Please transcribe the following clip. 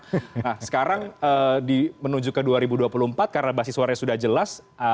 nah sekarang menuju ke dua ribu dua puluh empat karena basis suaranya sudah jelas